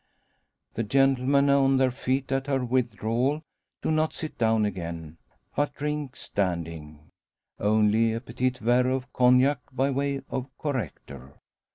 The gentlemen, on their feet at her withdrawal, do not sit down again, but drink standing only a petit verre of cognac by way of "corrector."